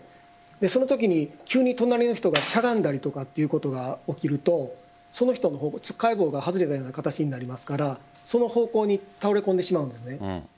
そのときに、急に隣の人がしゃがんだりということが起きるとその人の方がつっかえ棒が外れたような形になりますからその方向に倒れ込んでしまうんです。